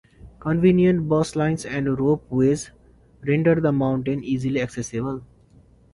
Convenient bus lines and rope ways render the mountain easily accessible.